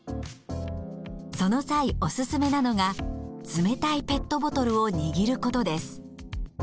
その際おすすめなのが冷たいペットボトルを握ることです。